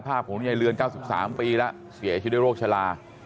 ภาพของคุณยายเลือน๙๓ปีแล้วเสียชีวิตโรคชะลา